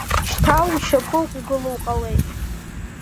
Шьҭа ушьапы уқәгыло уҟалеит.